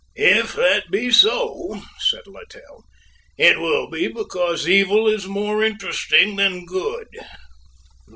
"If that be so," said Littell, "it will be because evil is more interesting than good."